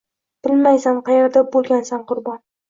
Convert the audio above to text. Bilmaysan qaerda bo’lgansan qurbon.